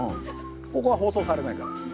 ここは放送されないから。